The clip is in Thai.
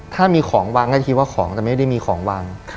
ถ้ามีของวางก็จะคิดว่าของแต่ไม่ได้มีของวาง